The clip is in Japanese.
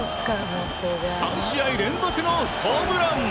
３試合連続のホームラン。